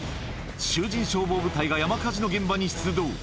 囚人消防部隊が山火事の現場に出動。